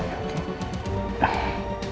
jadi jangan mendesak saya